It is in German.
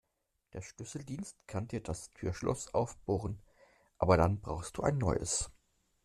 Der Schlüsseldienst kann dir das Türschloss aufbohren, aber dann brauchst du ein neues.